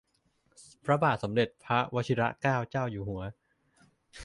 พระบาทสมเด็จพระวชิรเกล้าเจ้าอยู่หัว